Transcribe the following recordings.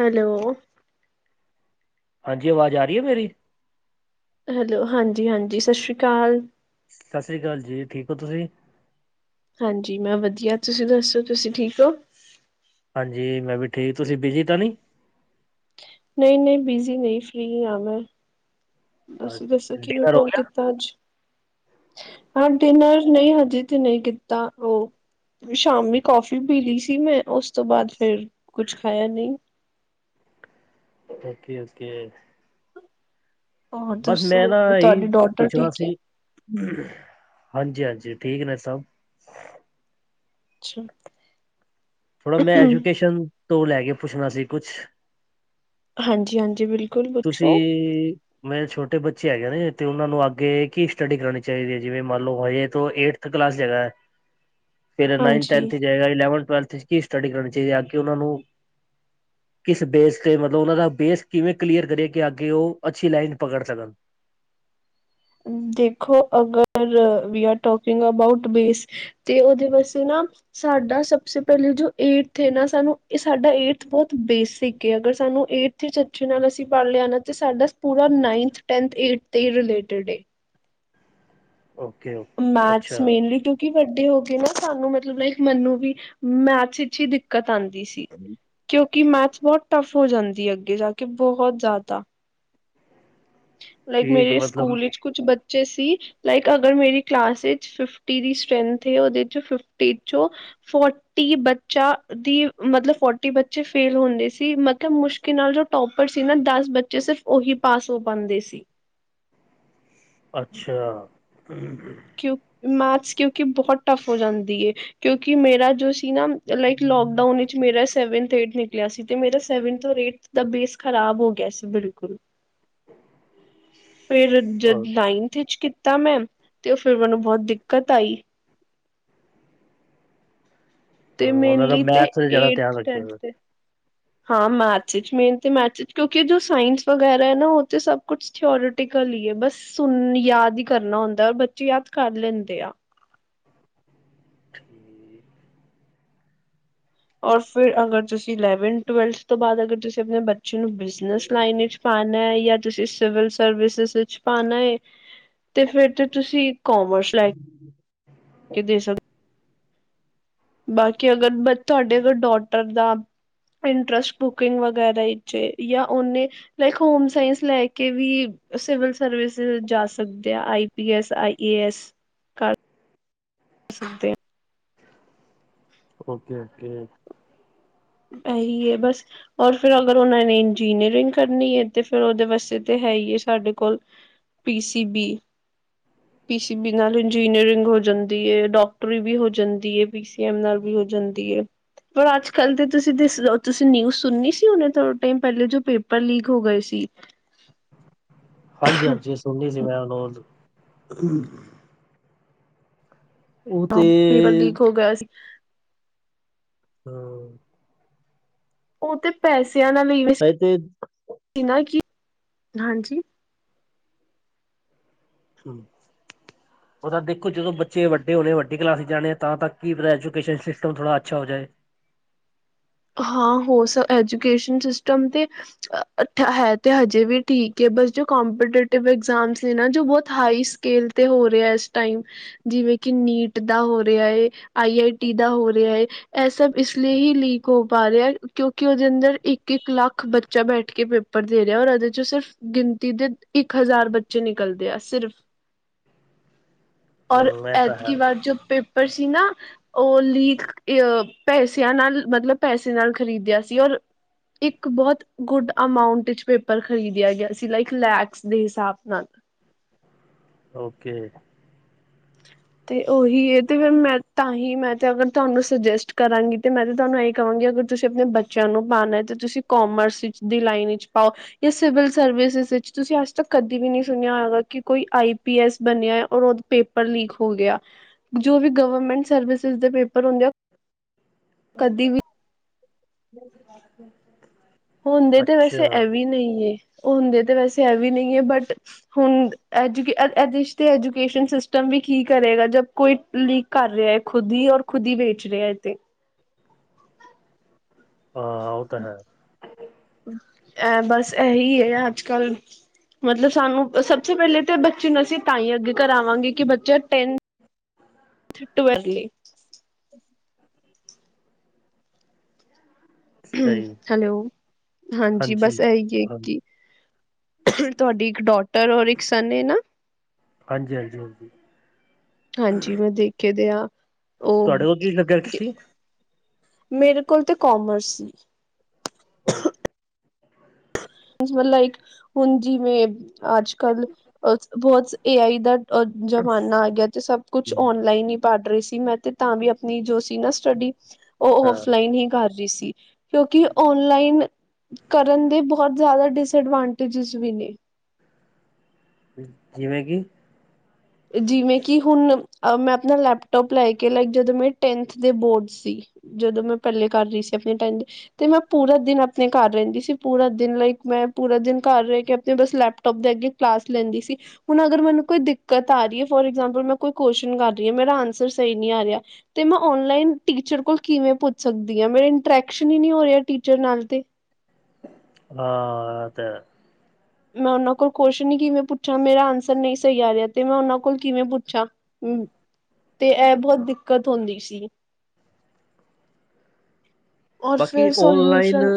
Hello, ਹਾਂਜੀ ਆਵਾਜ਼ ਆ ਰਹੀ ਹੈ ਮੇਰੀ, ਹੈਲੋ ਹਾਂਜੀ, ਹਾਂਜੀ ਸਤਿ ਸ਼੍ਰੀ ਅਕਾਲ, ਸਤਿ ਸ੍ਰੀ ਅਕਾਲ ਜੀ ਠੀਕ ਹੋ ਤੁਸੀਂ? ਹਾਂਜੀ ਮੈਂ ਵਧੀਆ, ਤੁਸੀਂ ਦੱਸੋ ਤੁਸੀਂ ਠੀਕ ਹੋ? ਹਾਂਜੀ ਮੈਂ ਵੀ ਠੀਕ, ਤੁਸੀਂ ਬਿਜੀ ਤਾਂ ਨਹੀਂ ਨਹੀਂ-ਨਹੀਂ ਬਿਜ਼ੀ ਨਹੀਂ, ਫਰੀ ਹਾਂ ਮੈਂ, ਅਸੀਂ ਦੱਸੋ ਕਿਵੇ ਡਿਨਰ ਹੋ ਫੋਨ ਕੀਤਾ ਅੱਜ? ਹਾਂ ਡਿਨਰ ਨਹੀਂ ਹਜੇ ਤੇ ਨਹੀਂ ਕੀਤਾ ਉਹ, ਸ਼ਾਮੀ ਕੌਫੀ ਪੀਲੀ ਸੀ ਮੈਂ, ਉਸ ਤੋਂ ਬਾਅਦ ਫੇਰ ਕੁਛ ਖਾਇਆ ਨਹੀਂ। ਓਕੇ- ਓਕੇ, ਹੋਰ ਬਸ ਮੈਂ ਦੱਸੋ ਨਾ ਇਹੀ ਤੁਹਾਡੀ ਡੋਟਰ ਪੁੱਛਣਾ ਠੀਕ ਹੈ? ਸੀ, ਹਾਂਜੀ- ਹਾਂਜੀ ਠੀਕ ਨੇ ਸਭ, ਅੱਛਾ, ਥੋੜਾ ਮੈਂ ਐਜੂਕੇਸ਼ਨ ਤੋਂ ਲੈ ਕੇ ਪੁੱਛਣਾ ਸੀ ਕੁਛ ਹਾਂਜੀ- ਹਾਂਜੀ ਬਿਲਕੁਲ ਪੁੱਛੋ ਤੁਸੀਂ ਮੇਰੇ ਛੋਟੇ ਬੱਚੇ ਹੈਗੇ ਨੇ ਤੇ ਉਹ ਨੂੰ ਅੱਗੇ ਕੀ ਸਟੱਡੀ ਕਰਾਉਣੀ ਚਾਹੀਦੀ ਹੈ ਜਿਵੇਂ ਮੰਨ ਲਓ ਹਜੇ ਤੋਂ ਏ ਕਲਾਸ ਹੈਗਾ, ਫਿਰ ਨਾਈਨ, ਹਾਂਜੀ। ਟੈੰਥ ਹੈਗਾ ਇਲੈਂਵਥ ਟਵੈਲਥ 'ਚ ਕੀ ਸਟੱਡੀ ਕਰਾਉਣੀ ਚਾਹੀਦੀ ਹੈ ਅਗੇ ਉਹਨਾਂ ਨੂੰ ਕਿਸ ਬੇਸ ਤੇ ਮਤਲਬ ਉਹਨਾਂ ਦਾ ਬੇਸ ਕਿਵੇਂ ਕਲੀਅਰ ਕਰੇ ਕਿ ਅੱਗੇ ਉਹ, ਅੱਛੀ ਲਾਈਨ ਪਕੜ ਸਕਣ ਦੇਖੋ ਅਗਰ we are talking about base ਤੇ ਉਹਦੇ ਵਾਸਤੇ ਨਾ ਸਾਡਾ ਸਭਸੇ ਪਹਿਲੇ ਜੋ ਏਟਥ ਨਾ ਸਾਨੂੰ ਇਹ ਸਾਡਾ ਏਥ ਬਹੁਤ ਬੇਸਿਕ ਅਗਰ ਸਾਨੂੰ ਏਥ ਇਥੇ ਅਛੇ ਨਾਲ ਅਸੀਂ ਪੜ੍ਹ ਲਿਆ ਨਾ ਤੇ ਸਾਡਾ ਪੂਰਾ ਨਾਈਨਥ ਟੈੰਥ ਏਟ ਦੇ ਰਿਲੇਟਿਡ ਏ ਓਕੇ ਅੱਛਾ ਮੈਥਸ ਮੇਨਲੀ ਕਿ ਵੱਡੇ ਹੋ ਗਏ ਨਾ ਸਾਨੂੰ ਮਤਲਬ ਲਾਈਕ ਮੈਨੂੰ ਵੀ ਮੈਥਸ ਵਿੱਚ ਹੀ ਦਿੱਕਤ ਆਉਂਦੀ ਸੀ ਕਿਉਂਕਿ ਮੈਥਸ ਬਹੁਤ ਟਫ ਹੋ ਜਾਂਦੀ ਅੱਗੇ ਜਾ ਕੇ ਬਹੁਤ ਜ਼ਿਆਦਾ ਲਾਈਕ ਠੀਕ ਮੇਰੇ ਮਤਲਬ ਸਕੂਲ ਵਿੱਚ ਕੁਛ ਬੱਚੇ ਸੀ ਲਾਈਕ ਅਗਰ ਮੇਰੀ ਕਲਾਸ ਫਿਫਟੀ ਦੀ ਸਟਰ੍ਰੈਂਥ, ਉਹਦੇ ਚ ਫਿਫਟੀ ਚੋਂ ਫੋਰਟੀ ਬੱਚਾ ਦੀ ਮਤਲਬ ਫੋਰਟੀ ਬੱਚੇ ਫੇਲ ਹੁੰਦੇ ਸੀ ਮਤਲਬ ਮੁਸ਼ਕਿਲ ਨਾਲ ਜੋ ਟੋਪਰ ਸੀ ਨਾ ਦਸ ਬੱਚੇ ਸਿਰਫ ਉਹੀ ਪਾਸ ਹੋ ਪਾਉਂਦੇ ਸੀ ਅੱਛਾ ਕਿਉ ਮੈਥਸ ਕਿਉਂਕਿ ਬਹੁਤ ਟਫ ਹੋ ਜਾਂਦੀ ਹੈ ਕਿਉਂਕਿ ਮੇਰਾ ਜੋ ਸੀ ਨਾ ਲਾਈਕ ਲੋਕਡਾਊਨ ਵਿੱਚ ਮੇਰਾ ਸੈਵਨਥ ਏਥ ਨ ਗਿਆ ਸੀ ਤੇ ਮੇਰਾ ਸੈਵਨ ਏਥ ਦਾ ਬੇਸ ਖ਼ਰਾਬ ਹੋ ਗਿਆ ਸੀ ਬਿਲਕੁਲ ਫਿਰ ਜਦ ਨਾਈਨਥ ਵਿੱਚ ਕੀਤਾ ਮੈਂ ਤੇ ਉਹ ਫਿਰ ਮੈਨੂੰ ਬਹੁਤ ਦਿੱਕਤ ਆਈ ਤੇ ਉਹਨਾਂ ਦਾ ਮੇਨਲਈ ਤੇ ਮੈਥ ਜ਼ਿਆਦਾ ਧਿਆਨ ਏਟਥ ਰੱਖਿਆ ਹੋਇਆ ਟੈਂਨਥ ਹਾਂ ਮੈਥਸ ਚ ਮੇਨ ਤੇ ਮੈਥ ਕਿਉਂਕਿ ਜੋ ਸਾਇੰਸ ਵਗੈਰਾ ਹੈ ਨਾ ਉਹ ਤੇ ਸਭ ਕੁਛ ਥਿਓਰਟੀਕਲੀ ਹੈ ਬਸ ਸੁਣ ਯਾਦ ਹੀ ਕਰਨਾ ਹੁੰਦਾ ਔਰ ਬੱਚੇ ਯਾਦ ਕਰ ਲੈਂਦੇ ਆ [inaudible] ਔਰ ਫਿਰ ਅਗਰ ਤੁਸੀਂ ਇਲੈਵਨ ਟਵੈਲਥ ਤੋਂ ਬਾਅਦ, ਅਗਰ ਤੁਸੀਂ ਆਪਣੇ ਬੱਚੇ ਨੂੰ ਬਿਜਨਸ ਲਾਈਨ ਵਿੱਚ ਪਾ ਣਾ ਜਾਂ ਤੁਸੀਂ ਸਿਵਲ ਸਰਵਿਸ ਵਿੱਚ ਪਾਣਾ, ਤੇ ਫਿਰ ਤੇ ਤੁਸੀਂ ਕੋਮਰਸ ਲੈ ਕੇ ਦੇ ਸਕਦੇ ਬਾਕੀ ਅਗਰ ਮੈਂ ਤੁਹਾਡੇ ਅਗਰ ਡੋਟਰ ਦਾ ਇੰਟਰਸਟ ਕੁਕਿੰਗ ਵਗੈਰਾ ਵਿਚ ਏ, ਜਾਂ ਉਹਨੇ ਲਾਈਕ ਹੋਮ ਸਾਇੰਸ ਲੈ ਕੇ ਵੀ ਸਿਵਲ ਸਰਵਿਸ ਜਾ ਸਕਦੇ ਆ, ਆਈ P S, I A S. ਕਰ ਸਕਦੇ ਆ ਓਕੇ -ਓਕੇ ਇਹੀ ਐ ਬਸ। ਔਰ ਫਿਰ ਅਗਰ ਉਹਨਾਂ ਨੇ ਇੰਜੀਨੀਅਰਿੰਗ ਕਰਨੀ ਏ, ਤੇ ਫਿਰ ਉਹਦੇ ਵਾਸਤੇ ਤਾਂ ਹੈ ਹੀ ਹੈ ਸਾਡੇ ਕੋਲ। P C B [unintelligible] P C B ਨਾਲ ਇੰਜੀਨੀਰਿੰਗ ਹੋ ਜਾਂਦੀ ਏ, ਡਾਕਟਰੀ ਵੀ ਹੋ ਜਾਂਦੀ ਏ, ਪੀਸੀ ਐਮ ਨਾਲ ਵੀ ਹੋ ਜਾਂਦੀ ਐ। ਪਰ ਅੱਜ- ਕੱਲ੍ਹ ਦੇ ਤੁਸੀਂ -ਤੁਸੀਂ ਨਿਊਜ਼ ਸੁਣੀ ਸੀ, ਹੁਣੇ ਥੋੜੇ ਟੈਮ ਪਹਿਲੇ ਜੋ ਪੇਪਰ ਲੀਕ ਹੋ ਗਏ ਸੀ। ਹਾਂਜੀ -ਹਾਂਜੀ, ਸੁਣਨੀ ਸੀ ਮੈਂ ਉਹਨੂੰ ਉਹ ਤੇ ਉਹ ਗਇਆ ਸੀ। ਹਾਂ। ਉਹ ਤੇ ਪੈਸਿਆਂ ਨਾਲ ਈ [inaudible] ਇਨਾ ਕੀ, ਹਾਂਜੀ [inaudible] ਉਹ ਤਾਂ ਦੇਖੋ ਜਦੋਂ ਬੱਚੇ ਵੱਡੇ ਹੋਣੇ ਆ, ਵੱਡੇ ਕਲਾਸ ਚ ਜਾਣੇ ਆ, ਤਦ ਤੱਕ ਕੀ ਪਤਾ ਐਜੂਕੇਸ਼ਨ ਸਿਸਟਮ ਥੋੜ੍ਹਾ ਅੱਛਾ ਹੋ ਜਾਏ। ਹਾਂ ਹੋ ਸ, ਐਜੂਕੇਸ਼ਨ ਸਿਸਟਮ ਤੇ ਹ ਹੈ ਤੇ ਹਜੇ ਵੀ ਠੀਕ ਏ, ਬਸ ਜੋ ਕੰਪੀਟੇਟਿਵ ਐਗਜਾਮ ਸੀ ਨਾ, ਜੋ ਬਹੁਤ ਹਾਈ ਸਕੇਲ ਤੇ ਹੋ ਰਿਹਾ ਇਸ ਟਾਈਮ। ਜਿਵੇਂ ਕਿ ਨੀਟ ਦਾ ਹੋ ਰਿਹਾ ਏ, ਆਈ ਆਈ ਟੀ ਦਾ ਹੋ ਰਿਹਾ ਏ। ਇਹ ਸਭ ਇਸ ਲੀਏ ਹੀ ਲੀ ਹੋ ਪਾ ਰਿਹਾ, ਕਿਉਂਕਿ ਉਹਦੇ ਅੰਦਰ ਇੱਕ- ਇੱਕ ਲੱਖ ਬੱਚਾ ਬੈਠ ਕੇ ਪੇਪਰ ਦੇ ਰਿਹਾ, ਔਰ ਇਹਦੇ ਚੋ ਸਿਰਫ ਗਿਣਤੀ ਦੇ ਇੱਕ ਹਜ਼ਾਰ ਬੱਚੇ ਨਿਕਲਦੇ ਆ ਸਿਰਫ। [unintelligible] ਔਰ ਇਹ ਤਾਂ ਹੈ ਐਤਕੀ ਬਾਰ ਜੋ ਪੇ ਪੇਪਰ ਸੀ ਨਾ, ਉਹ ਲੀਕ ਅ ਪੈਸਿਆਂ ਨਾਲ ਮਤਲਬ ਪੈਸੇ ਨਾਲ ਖਰੀਦਿਆ ਸੀ, ਔਰ ਇੱਕ ਬਹੁਤ ਗੁੱਡ ਅਮਾਉਂਟ ਵਿੱਚ ਪੇਪਰ ਖਰੀਦਿਆ ਗਿਆ ਸੀ, ਲਾਈਕ ਲੈਖਸ ਦੇ ਹਿਸਾਬ ਨਾਲ। ਓਕੇ। ਤੇ ਉਹੀ ਇਹ ਤੇ ਫਿਰ ਮੈਂ ਤਾਂ ਹੀ ਮੈਂ ਤੇ ਅਗਰ ਤੁਹਾਨੂੰ ਸੁਜੈਸਟ ਕਰਾਂਗੀ, ਤੇ ਮੈਂ ਤੇ ਤੁਹਾਨੂੰ ਇਹ ਕਹਾਂਗੀ, ਅਗਰ ਤੁਸੀਂ ਆਪਣੇ ਬੱਚਿਆਂ ਨੂੰ ਪਾਣਾ, ਤੇ ਤੁਸੀਂ ਕੋਮਰਸ ਵਿੱਚ ਦੀ ਲਾਈਨ ਵਿੱਚ ਪਾਓ। ਜਾਂ ਸਿਵਲ ਸਰਵਿਸਸ ਵਿੱਚ ਤੁਸੀਂ ਅੱਜ ਤੱਕ ਕਦੀ ਵੀ ਨਹੀਂ ਸੁਣਿਆ ਹੋਗਾ, ਕਿ ਕੋਈ ਆਈ ਪੀ ਐਸ ਬਣਿਆ, ਔਰ ਪੇਪਰ ਲੀਕ ਹੋ ਗਿਆ, ਜੋ ਵੀ ਗਵਰਮੈਂਟ ਸਰਵਿਸਿਸ ਦੇ ਪੇਪਰ ਹੁੰਦੇ ਆ, ਕਦੀ ਵੀ ਹੁੰਦੇ ਤੇ ਅੱਛਾ ਵੈਸੇ ਐਵੀਂ ਨੀ ਗੇ। ਹੁੰਦੇ ਤੇ ਵੈਸੇ ਐਂਵੀ ਨੀ ਗੇ, ਬਟ ਹੁਣ ਐਜੂਕੇਸ਼ਨ ਤੇ ਐਜੂਕੇਸ਼ਨ ਸਿਸਟਮ ਵੀ ਕੀ ਕਰੇਗਾ, ਜਦ ਕੋਈ ਲੀਕ ਕਰ ਰਿਹਾ ਖੁਦ ਹੀ, ਔਰ ਖੁਦ ਹੀ ਵੇਚ ਰਿਹਾ ਇਥੇ। ਹਾਂ, ਉਹ ਤਾਂ ਹੈ। ਐ ਬਸ ਇਹੀ ਹੈ, ਅੱਜ-ਕੱਲ੍ਹ ਮਤਲਬ ਸਾਨੂੰ ਸਭ ਤੋਂ ਪਹਿਲੇ ਤੇ ਬੱਚੇ ਨੂੰ ਅਸੀਂ ਤਾਂ ਹੀ ਅੱਗੇ ਕਰਾਵਾਂਗੇ, ਕਿ ਬੱਚਾ ਟੈਨ ਥਿਟ ਵਰਲੇ। ਸਹੀ ਹੈਲੋ, ਹਾਂਜੀ ਬਸ ਇ ਹੀ ਹਾਂ- ਇੱਕ ਹੀ। ਫਿਰ ਤੁਹਾਡੀ ਇੱਕ ਡੋਟਰ ਔਰ ਇੱਕ ਸਨ ਏ ਨਾ ਹਾਂਜੀ- ਹਾਂਜੀ -ਹਾਂਜੀ ਹਾਂਜੀ ਮੈਂ ਦੇਖ ਕੇ ਦੇ ਆ ਤੁਹਾਡੇ ਉਹ ਕੋ ਕਿ ਸਬਜਕਟ ਸੀ ਮੇਰੇ ਕੋਲ ਤਾਂ ਕਾਮਰਸ ਸੀ। ਮਤਲਬ ਇੱਕ ਹੁਣ ਜਿਵੇਂ, ਅੱਜ ਕੱਲ, ਬਹੁਤ ਏ ਆਈ ਦਾ ਜ਼ਮਾਨਾ ਆ ਗਿਆ। ਤੇ ਸਭ ਕੁਛ ਹਮ, ਓਨਲਾਈਨ ਹੀ ਪੜ ਰਹੀ ਸੀ ਮੈਂ ਤੇ ਤਾਂ ਵੀ ਆਪਣੀ ਜੋ ਸੀ ਨਾ ਸਟਡੀ ਉਹ ਹਾਂ ਔਫਲਾਈਨ ਹੀ ਕਰ ਰਹੀ ਸੀ। ਕਿਉਂਕਿ ਔਨਲਾਈਨ ਕਰਨ ਦੇ ਬਹੁਤ ਜ਼ਿਆਦਾ ਡਿਸਐਡਵਾਂਟੇਜਿਸ ਵੀ ਨੇ। ਜਿਵੇਂ ਕਿ। ਜਿਵੇਂ ਕਿ ਹੁਣ ਮੈਂ ਆਪਣਾ ਲੈਪਟੋਪ ਲੈ ਕੇ ਲਾਈਕ ਜਦੋਂ ਮੇਰੇ ਟੈਂਨਥ ਦੇ ਬੋਰਡ ਸੀ। ਜਦੋਂ ਮੈਂ ਪੱਲੇ ਕਰ ਰਹੀ ਸੀ ਆਪਣੇ ਟਾਈਮ ਦੇ। ਤੇ ਮੈਂ ਪੂਰਾ ਦਿਨ ਆਪਣੇ ਘਰ ਰਹਿੰਦੀ ਸੀ। ਪੂਰਾ ਦਿਨ ਲਾਈਕ ਮੈਂ ਪੂਰਾ ਦਿਨ ਘਰ ਰਹਿ ਕੇ ਆਪਣੇ ਬਸ ਲੈਪਟੋਪ ਦੇ ਅੱਗੇ ਕਲਾਸ ਲੈਂਦੀ ਸੀ। ਹੁਣ ਅਗਰ ਮੈਨੂੰ ਕੋਈ ਕਤ ਆ ਰਹੀ ਹੈ ਫੋਰ ਐਗਜਾਮਪਲ ਮੈਂ ਕੋਈ ਕੁਸ਼ਚ ਕਰ ਰਹੀ ਹਾਂ ਮੇਰਾ ਆਂਸਰ ਸਹੀ ਨਹੀਂ ਆ ਰਿਹਾ। ਤੇ ਮੈਂ ਓਨਲਾਈਨ ਟੀਚਰ ਕੋਲ ਕਿਵੇਂ ਪੁੱਛ ਸਕਦੀ ਆ। ਮੇਰੇ ਇੰਟਰੈਕਸ਼ਨ ਹੀ ਨ ਹੋ ਰਿਹਾ ਟੀਚਰ ਨਾਲ ਤੇ। ਹਾਂ, ਤੇ ਮੈਂ ਉਹਨਾਂ ਕੋਲ ਕੁਛ ਨ ਕਿਵੇਂ ਪੁੱਛਾਂ ਮੇਰਾ ਆਂਸਰ ਨਹੀਂ ਸਹੀ ਆ ਰਿਹਾ ਤੇ ਮੈਂ ਉਹਨਾਂ ਕੋਲ ਕਿਵੇਂ ਪੁੱਛਾਂ। ਹਮ, ਤੇ ਇਹ ਬਹੁਤ ਦਿੱਕਤ ਹੁੰਦੀ ਸੀ। ਔਰ ਬਾਕੀ ਫਿਰ ਔਨਲਾਈਨ। ਸੋਲਿਊਸ਼ਨ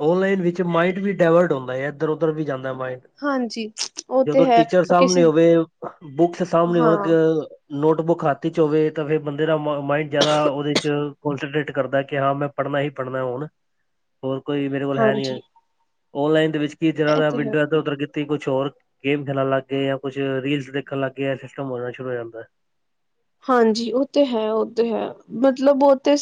ਓਨਲਾਈਨ ਵਿੱਚ ਮਾਇੰਡ ਵੀ ਡਾਇਵਰਟ ਹੁੰਦਾ ਹੈ। ਇੱਧਰ- ਉਧਰ ਵੀ ਜਾਂਦਾ ਮਾਇੰਡ। ਹਾਂਜੀ ਉਹ ਤੇ ਜਦੋਂ ਹੈ ਟੀਚਰ ਸਾਹਮਣੇ ਕਿਸੇ ਹੋਵੇ, ਬੁੱਕਸ ਸਾਹਮਣੇ ਹਾਂ ਹੋਣ। ਨੋਟਬੁੱਕ ਹੱਥ ਚ' ਹੋਵੇ ਤਾਂ ਫਿਰ ਬੰਦੇ ਦਾ ਮਾਇੰਡ ਜ਼ਿਆਦਾ ਉਹਦੇ ਚ ਕੋਂਸਟੇਟ ਕਰਦਾ ਹੈ। ਕਿ ਹਾਂ, ਮੈਂ ਪੜ੍ਹਨਾ ਹੀ ਪੜ੍ਹਨਾ ਹੁਣ। ਹੋਰ ਕੋਈ ਮੇਰੇ ਕੋਲ ਹੈ ਨੀ। ਹਾਂਜੀ ਔਨਲਾਈਨ ਦੇ ਵਿੱਚ ਕਿ ਜ ਇਹ ਦਾ ਤੇ ਹੈ ਵਿੰਡੋ ਇ ਉਧਰ ਕੁਛ ਹੋਰ ਗੇਮ ਖੇਲਣ ਲੱਗ ਗਏ ਜਾਂ ਕੁਛ ਰੀਲਸ ਦੇਖਣ ਲੱਗ ਗਏ ਸਿਸਟਮ ਹੋਣਾ ਸ਼ੁਰੂ ਹੋ ਜਾਂਦਾ। ਹਾਂਜੀ। ਉਹ ਤੇ ਹੈ, ਉਹ ਤੇ ਹੈ। ਮਤਲਬ ਉਹ ਤੇ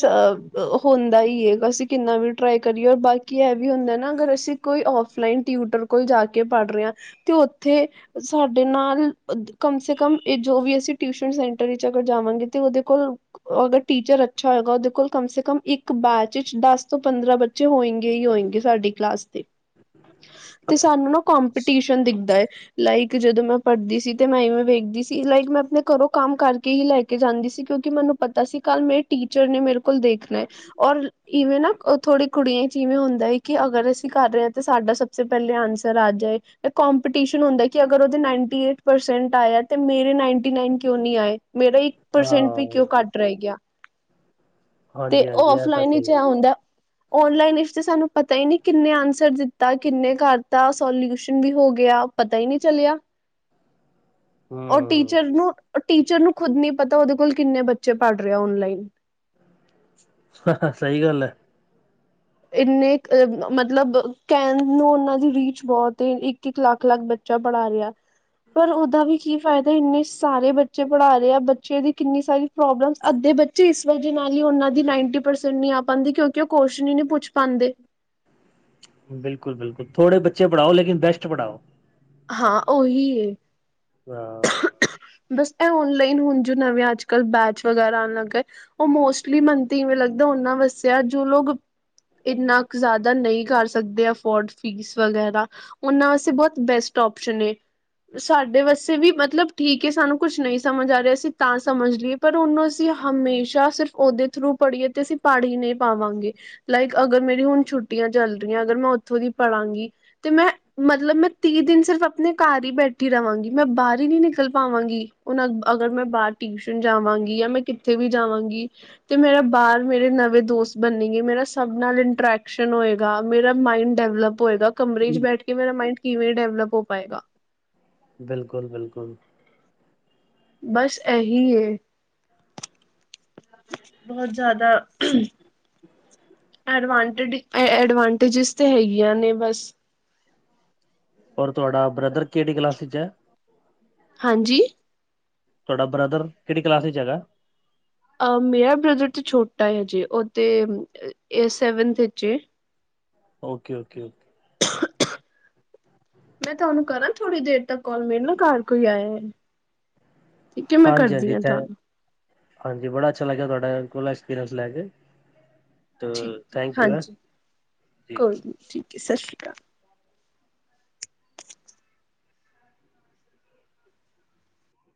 ਹੁੰਦਾ ਹੀ ਹੈਗਾ ਸੀ ਕਿੰਨਾ ਵੀ। ਟਰਾਈ ਕਰੀਏ ਔਰ ਬਾਕੀ ਇਹ ਵੀ ਹੁੰਦਾ ਨਾ ਅਗਰ ਅਸੀਂ ਕੋਈ ਔਫਲਾਈਨ ਟਿਊਟਰ ਕੋਲ ਜਾ ਕੇ ਪੜ੍ਹ ਰਹੇ ਹਾਂ। ਤੇ ਉੱਥੇ, ਸਾਡੇ ਨਾਲ ਕਮ ਸੇ ਕਮ ਜੋ ਵੀ ਅਸੀਂ ਟਿਊਸ਼ਨ। ਏਹਦੇ ਚ' ਅਗਰ ਜਾਵਾਂਗੇ। ਤੇ ਉਹਦੇ ਕੋਲ ਅਗਰ ਟੀਚਰ ਅੱਛਾ ਹੋਏਗਾ ਉਹਦੇ ਕੋਲ ਕਮ ਸੇ ਕਮ ਇੱਕ ਬੈਚ ਵਿੱਚ ਦਸ ਤੋਂ ਪੰਦਰਾਂ ਬ ਹੋਏਗੇ ਹੀ ਹੋਏਗੇ ਸਾਡੀ ਕਲਾਸ ਦੇ। ਤੇ ਸਾਨੂੰ ਨਾ ਕੰਪੀਟੀਸ਼ਨ ਦਿਖਦਾ ਹੈ। ਲਾਈਕ ਜਦੋਂ ਮੈ ਪੜ੍ਹਦੀ ਸੀ ਤੇ ਮੈ ਇਵੇਂ ਵੇਖਦੀ ਸੀ ਲਾਈਕ ਮੈ ਆਪਣੇ ਘਰੋ ਕਮ ਕਰਕੇ ਹੀ ਲੈ ਕੇ ਜਾਂਦੀ ਸੀ ਕਿਉਕਿ ਮੈਨੂੰ ਪਤਾ ਸੀ ਕਲ ਮੇਰੇ ਟੀਚਰ ਨੇ ਮੇਰੇ ਕੋਲ ਦੇਖਣਾ ਹੈ। ਔਰ ਇਵੇ ਨਾ ਥੋੜੀ ਕੁੜੀਆਂ 'ਚ ਇਵੇ ਹੁੰਦਾ ਹੈ। ਕਿ ਅਗਰ ਅਸੀ ਕਰ ਰਹੇ ਹਾਂ ਤੇ ਸਾਡਾ ਸਭ ਪਹਿਲੇ ਆਨਸਰ ਆ ਜਾਏ ਤੇ ਕੰਪਟੀਸ਼ਨ ਹੋਨਦਾ ਉਹਦੇ ਨਾੲਟੀਏਟਪਰਸੈਨਟਆ ਜਾਏ ਤੇ ਮੇਰੇ ਨਾਈਨਟੀ ਨਾਈਨ ਕਿਉ ਨਹੀ ਆਏ ਮੇਰਾ ਇਕ ਪਰਸੈਂਟ ਵੀ ਕਿਉ ਹਾਂ ਘੱਟ ਰਹਿ ਗਿਆ ਤੇ ਹਾਂਜੀ ਹਾਂਜੀ ਇਹ ਤਾਂ ਆਫਲਾਈਨ ਹੀ ਸਹੀ ਹੁੰਦਾ- ਓਨਲਾਈਨ ਇਸ ਤੇ ਸਾਨੂੰ ਪਤਾ ਹੀ ਨਹੀ ਕਿੰਨੇ ਆਨਸਰ ਦਿੱਤਾ ਕਿੰਨੇ ਕਰਤਾ ਸੋਲਿਊਸ਼ਨ ਵੀ ਹੋ ਗਿਆ ਪਤਾ ਹੀ ਨਹੀ ਚੱਲਿਆ [inaudible] ਉਹ ਹਮ ਟੀਚਰ ਨੂੰ ਟੀਚਰ ਨੂੰ ਖੁਦ ਨ ਪਤਾਓਦੇ ਕੋਲ ਕਿੰਨੇ ਬੱਚੇ ਪੜ੍ਹ ਰਹੇ ਓਨਲਾਈਨ ਹਾਂ ਸਹੀ ਗੱਲ ਹੈ। ਇਨੇ ਮਤਲਬ ਕਹਿਣ ਨੂੰ ਉਹਨਾਂ ਦੀ ਰੀਚ ਬਹੁਤ ਇੱਕ ਇੱਕ ਲੱਖ ਲੱਖ ਬੱਚੇ ਪੜਾ ਰਿਹਾ ਪਰ ਉਹਦਾ ਵੀ ਕੀ ਫਾਇਦਾ ਇੰਨੇ ਸਾਰੇ ਬੱਚੇ ਪੜ੍ਹਾ ਰਹੇ ਆ ਬੱਚੇ ਦੀ ਕਿੰਨੀ ਸਾਰੀ ਪ੍ਰੋਬਲਮ ਅੱਧੇ ਬੱਚੇ ਇਸ ਵਜ੍ਹ ਨਾਲ ਹੀ ਉਹਨਾਂ ਦੀ ਨਾਈਨਟੀ ਪਰਸੈਂਟ ਨਹੀ ਆ ਪਾਉਦੀ ਕਿਉਕਿ ਉਹ ਕੁਸ਼ ਹੀ ਨਹੀ ਪੁੱਛ ਪਾਉਂਦੇ- ਬਿਲਕੁਲ- ਬਿਲਕੁਲ ਥੋੜੇ ਬੱਚੇ ਪੜ੍ਹਾਓ ਲੇਕਨ ਬੈਸਟ ਪੜਾਓ ਹਾਂ, ਉਹੀ। ਹਾਂ ਬਸ ਇਹ ਔਨਲਾਈਨ ਹੁਣ ਜੋ ਨਵੇਂ ਅੱਜ ਕੱਲ੍ਹ ਬੈਚ ਵਗੈਰਾ ਆਣ ਲੱਗ ਗਏ। ਉਹ ਮੋਸਟਲੀ ਮੈਨੂੰ ਤੇ ਇਵੇਂ ਲੱਗਦਾ ਉਹਨਾਂ ਵਾਸਤੇ ਆ ਜੋ ਲੋਕ ਇੰਨਾ ਕ ਜ਼ਿਆਦਾ ਨਹੀਂ ਕਰ ਸਕਦੇ ਅਫੋਰਡ ਫੀਸ ਵਗੈਰਾ। ਉਹਨਾਂ ਵਾਸਤੇ ਬਹੁਤ ਬੈਸਟ ਓਪਸ਼ਨ ਐ ਸਾਡੇ ਵਾਸਤੇ ਵੀ ਮਤਲਬ ਠੀਕ ਹੈ। ਸਾਨੂੰ ਕੁਛ ਨਹੀ ਸਮਝ ਆ ਰਿਹਾ ਅਸੀ ਤਾਂ ਸਮਝ ਲਈਏ ਪਰ ਉਹਨੂੰ ਅਸੀਂ ਹਮੇਸ਼ਾ ਸਿਰਫ ਉਹਦੇ ਥਰੂ ਪੜ੍ਹੀਏ ਤੇ ਅਸੀ ਪਾੜ ਹੀ ਨਹੀ ਪਾਵਾਂਗੇ ਲਾਈਕ ਅਗਰ ਮੇਰੀ ਹੁਣ ਛੁੱਟੀਆਂ ਚੱਲ ਰਹੀਆਂ ਅਗਰ ਮੈ ਉਥੋਂ ਦੀ ਪਰਾਗੀ ਤੇ ਮੈ ਮਤਲਬ ਮੈਂ ਤੀਹ ਦਿਨ ਸਿਰਫ ਆਪਣੇ ਘਰ ਹੀ ਬੈਠੀ ਰਵਾਂਗੀ ਮੈਂ ਬਾਹਰ ਹੀ ਨਹੀ ਨਿਕਲ ਪਾਵਾਂਗੀ ਹੁਣ ਵੀ ਅਗਰ ਮੈ ਬਾਹਰ ਟਿਊਸ਼ਨ ਜਾਵਾਂਗੀ ਜਾਂ ਮੈਂ ਕਿੱਥੇ ਵੀ ਜਾਵਾਂਗੀ ਤੇ ਮੇਰਾ ਬਾਹਰ ਮੇਰੇ ਨਵੇਂ ਦੋਸਤ ਬਣੇਗੀ ਮੇਰਾ ਸਭ ਨਾਲ ਇੰਟਰੈਕਸ਼ਨ ਹੋਏਗਾ ਮੇਰਾ ਮਾਇੰਡ ਡਿਵਲਪ ਹੋਏਗਾ ਕਮਰੇ 'ਚ ਬੈਠ ਕੇ ਕਿ ਮੇਰਾ ਮਾਇੰਡ ਕਿਵੇਂ ਡਿਵਲਪ ਹੋ ਪਾਏਗਾ ਬਿਲਕੁਲ-ਬਿਲਕੁਲ ਬਸ ਇਹੀ ਐ, ਬਹੁਤ ਜ਼ਿਆਦਾ ਐਡਵਾਂਟਡ- ਐਡਵਾਂਟੇਜਿਸ ਤਾਂ ਹੈਗੀਆਂ ਨੇ ਬਸ ਔਰ ਤੁਹਾਡਾ ਬ੍ਰਦਰ ਕਿਹੜੀ ਕਲਾਸ ਵਿੱਚ ਐ। ਹਾਂਜੀ ਤੁਹਾਡਾ ਬ੍ਰਦਰ ਕਿਹੜੀ ਕਲਾਸ ਵਿਚ ਹੈਗਾ। ਮੇਰਾ ਬ੍ਰਦਰ ਤੇ ਛੋਟਾ ਹਜੇ ਉਹ ਤੇ ਸੈਵਨਥ ਵਿਚ- ਓਕੇ ਓਕੇ ਓਕੇ, [inaudible] ਮੈ ਤੁਹਾਨੂੰ ਕਰਾਂ ਥੋੜ੍ਹੀ ਦੇਰ ਤੱਕ ਕਾਲ ਮੇਰੇ ਨਾਲ ਘਰ ਕੋਈ ਆਇਆ। ਠੀਕ ਹੈ ਮੈਂ ਹਾਂਜੀ- ਹਾਂਜੀ ਕਰਦੀ ਹਾਂ ਇਥੇ ਤੁਹਾਨੂੰ ਹਾਂਜੀ ਬੜਾ ਅਛਾ ਲੱਗਿਆ ਤੁਹਾਡੇ ਕੋ ਐਕਸਪੀਰੀਸ ਲੈ ਕੇ ਤੇ ਠੀਕ, ਥੈਂਕ ਯੂ ਹੈ ਹਾਂਜੀ ਜੀ ਕੋਈ ਨਹੀ ਠੀਕ ਐ। ਸਤਿ ਸ਼੍ਰੀ ਅਕਾਲ।